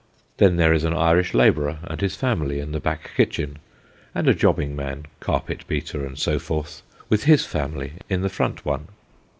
Then there is an Irish labourer and his family in the back kitchen, and a jobbing man carpet beater and so forth with his family in the front one.